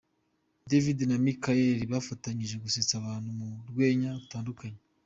Divin na Michael bafatanyije gusetsa abantu mu rwenya rutandukanye.